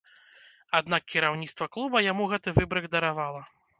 Аднак кіраўніцтва клуба яму гэты выбрык даравала.